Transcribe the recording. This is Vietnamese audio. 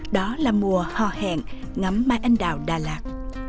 đó là mùa hò hẹn ngắm mai anh đào đà lạt